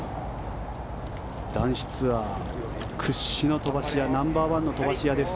男子ツアー屈指の飛ばし屋ナンバーワンの飛ばし屋です。